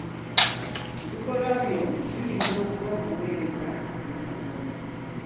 Ebikolwa byo biyinza okuba obuwereza eri Katonda .